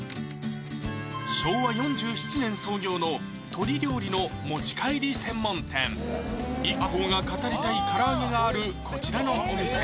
昭和４７年創業の鶏料理の持ち帰り専門店ＩＫＫＯが語りたい唐揚げがあるこちらのお店